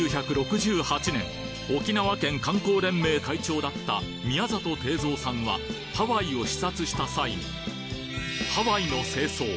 沖縄県観光連盟会長だった宮里定三さんはハワイを視察した際にハワイの正装